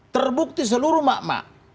terbukti seluruh makmah